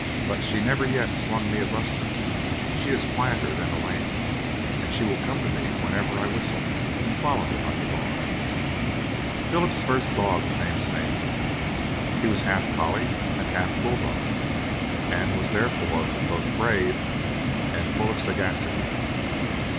But she never yet slung me a buster; she is quieter than a lamb, and she will come to me whenever I whistle, and follow me like a dog." Philip's first dog was named Sam. He was half collie and half bull dog, and was therefore both brave and full of sagacity.